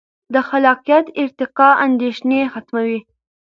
د خلاقیت ارتقا اندیښنې ختموي.